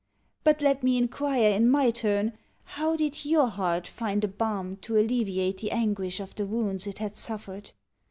But let me inquire in my turn, how did your heart find a balm to alleviate the anguish of the wounds it had suffered?